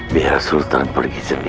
biar sultan pergi sendiri